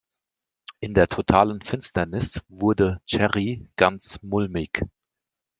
In der totalen Finsternis wurde Jerry ganz mulmig.